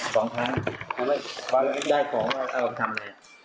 สองครั้งได้ของอะไรเอาไปทำอะไร